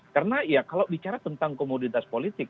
karena ya kalau bicara tentang komoditas politik